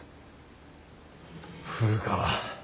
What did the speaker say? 古川